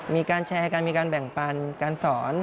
มีการแชร์กันมีการแบ่งปันการสอน